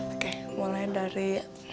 oke mulai dari